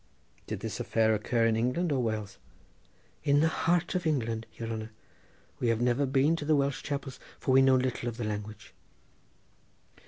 "Did this affair occur in England or Wales?" "In the heart of England, yere hanner; we have never been to the Welsh chapels, for we know little of the language."